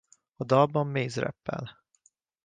A dalban Mase rappel.